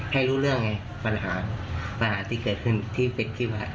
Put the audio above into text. ให้รู้เรื่องปัญหาปัญหาที่เกิดขึ้นที่เป็นขึ้นมา